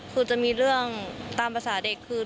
คือจะมีเรื่องตามภาษาเด็กคือ